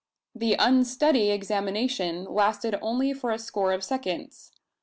The unsteady examination lasted only for a score of seconds.